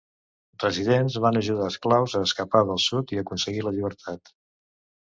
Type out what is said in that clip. Residents van ajudar esclaus a escapar del Sud i a aconseguir la llibertat.